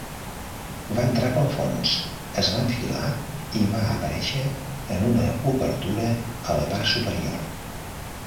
Va entrar pel fons, es va enfilar i va aparèixer en una obertura a la part superior.